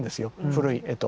古い絵と。